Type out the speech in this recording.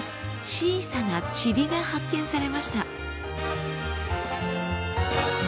小さな塵が発見されました。